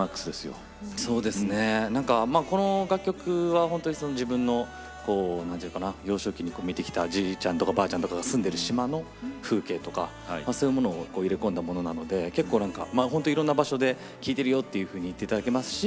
この楽曲は本当にその自分の幼少期に見てきたじいちゃんとかばあちゃんとかが住んでる島の風景とかそういうものを入れ込んだものなので結構本当いろんな場所で聴いてるよって言って頂けますし。